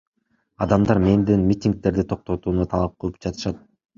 Адамдар менден митингдерди токтотууну талап кылып жатышат.